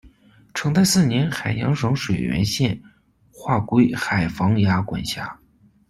成泰四年，海阳省水源县划归海防衙管辖。